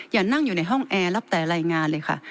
อย่านั่งอยู่ในห้องแอร์รับแต่รายงานเลยค่ะ